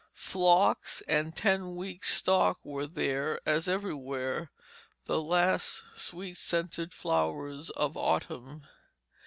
Phlox and ten weeks stock were there, as everywhere, the last sweet scented flowers of autumn.